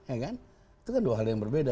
itu kan dua hal yang berbeda